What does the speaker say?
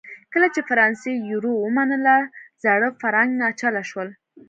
کله چې فرانسې یورو ومنله زاړه فرانک ناچله شول.